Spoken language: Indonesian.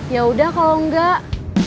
ya udah kalo enggak